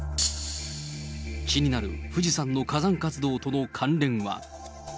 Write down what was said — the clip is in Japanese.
気になる富士山の火山活動との関連は。